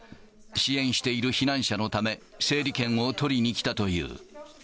支援している避難者のため、整理券を取りに来たという。